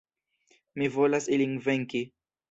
Mi volas ilin venki.